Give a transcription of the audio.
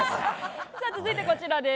続いてこちらです。